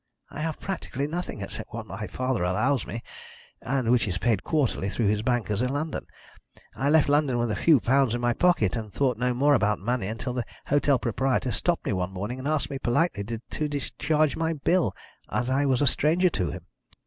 "I have practically nothing except what my father allows me, and which is paid quarterly through his bankers in London. I left London with a few pounds in my pocket, and thought no more about money until the hotel proprietor stopped me one morning and asked me politely to discharge my bill, as I was a stranger to him.